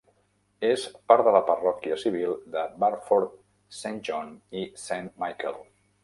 És part de la parròquia civil de Barford Saint John i Saint Michael.